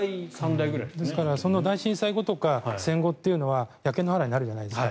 だから大震災後とか戦後というのは焼け野原になるじゃないですか。